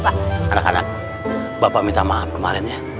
anak anak bapak minta maaf kemarin ya